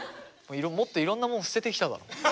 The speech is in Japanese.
もっといろんなもん捨ててきただろ。